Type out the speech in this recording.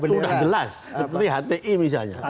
itu sudah jelas seperti hti misalnya